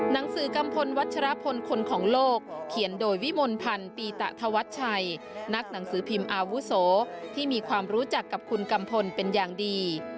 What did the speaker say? หนังสือกัมพลวัชรพลคนของโลกเขียนโดยวิมลพันธ์ปีตะธวัชชัยนักหนังสือพิมพ์อาวุโสที่มีความรู้จักกับคุณกัมพลเป็นอย่างดี